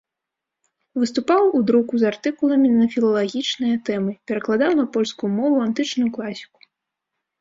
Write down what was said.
Выступаў у друку з артыкуламі на філалагічныя тэмы, перакладаў на польскую мову антычную класіку.